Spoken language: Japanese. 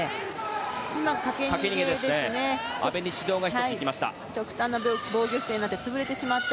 阿部に指導が１ついきました。